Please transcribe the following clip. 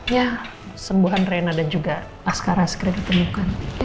ya sembuhan reina dan juga asqara segera ditemukan